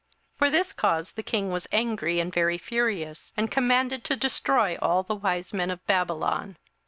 27:002:012 For this cause the king was angry and very furious, and commanded to destroy all the wise men of Babylon.